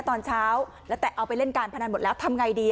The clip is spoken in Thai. ตอนเช้าแล้วแต่เอาไปเล่นการพนันหมดแล้วทำไงดี